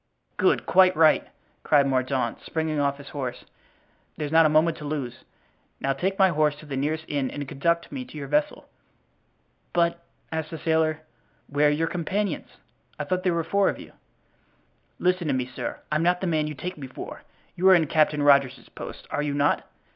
"Good, quite right!" cried Mordaunt, springing off his horse. "There's not a moment to lose; now take my horse to the nearest inn and conduct me to your vessel." "But," asked the sailor, "where are your companions? I thought there were four of you." "Listen to me, sir. I'm not the man you take me for; you are in Captain Rogers's post, are you not?